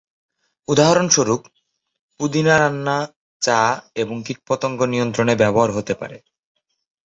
উদাহরণস্বরূপ, পুদিনা রান্না, চা এবং কীটপতঙ্গ নিয়ন্ত্রণে ব্যবহার হতে পারে।